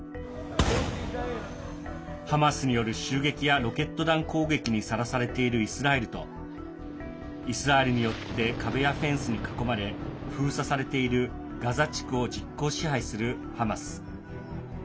ハマスによる襲撃やロケット弾攻撃にさらされているイスラエルとイスラエルによって壁やフェンスに囲まれ封鎖されているガザ地区を実効支配するハマス。